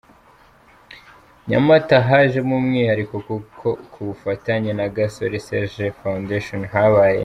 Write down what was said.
Nyamata hajemo umwihariko kuko ku bufatanye na Gasore Serge Foundation habaye